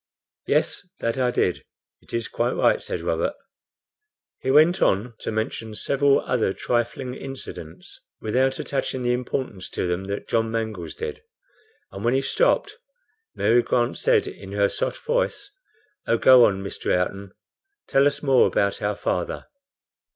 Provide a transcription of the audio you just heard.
"Yes, that I did, it is quite right," said Robert. He went on to mention several other trifling incidents, without attaching the importance to them that John Mangles did, and when he stopped Mary Grant said, in her soft voice: "Oh, go on, Mr. Ayrton, tell us more about our father."